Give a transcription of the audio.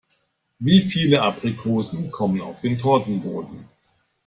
Wie viele Aprikosen kommen auf den Tortenboden?